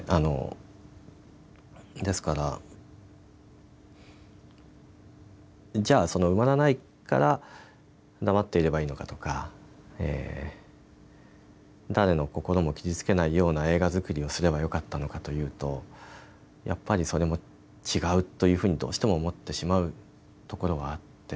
ですからじゃあ、その埋まらないから黙っていればいいのかとか誰の心も傷つけないような映画作りをすればよかったのかというとやっぱりそれも違うというふうにどうしても思ってしまうところはあって。